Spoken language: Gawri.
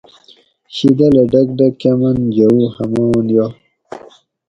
شِیدلہ ڈۤک ڈۤک کۤمن جوؤ ہمان یائی